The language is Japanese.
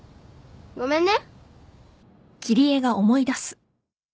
ごめんね